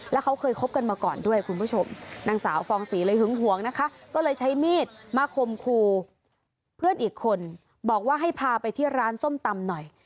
แล้วเขาเคยคบกันมาก่อนด้วยคุณผู้ชมนางสาวฟองศรีเลยหึงหวงนะคะก็เลยใช้มีดมาคมคู่เพื่อนอีกคนบอกว่าให้พาไปที่ร้านส้มตำหน่อย